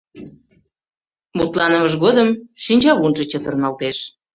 Мутланымыж годым шинчавунжо чытырналтеш.